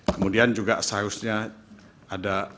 kemudian juga sausnya ada